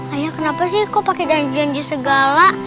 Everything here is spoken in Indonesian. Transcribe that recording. ayah kenapa sih kok pakai janji janji segala